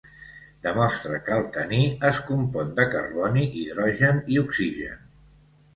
Demostrà que el taní es compon de carboni, hidrogen i oxigen.